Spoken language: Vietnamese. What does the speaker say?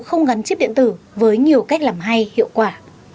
không gắn chip điện tử với nhiều cách làm hay hiệu quả